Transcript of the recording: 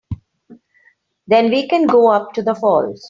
Then we can go up to the falls.